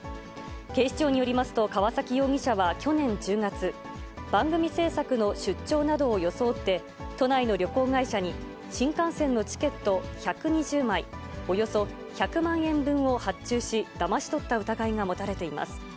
警視庁によりますと、川崎容疑者は去年１０月、番組制作の出張などを装って、都内の旅行会社に新幹線のチケット１２０枚、およそ１００万円分を発注し、だまし取った疑いが持たれています。